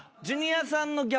ジュニアさんの。